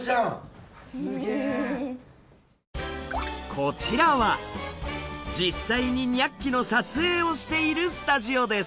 こちらは実際に「ニャッキ！」の撮影をしているスタジオです。